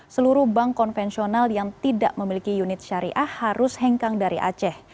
seluruh bank konvensional yang tidak memiliki unit syariah harus hengkang dari aceh